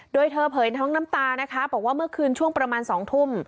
โดยเธอเผยทั้งน้ำตานะคะบอกว่าเมื่อคืนช่วงประมาณ๒ทุ่ม